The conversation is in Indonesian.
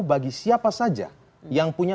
bagi siapa saja yang punya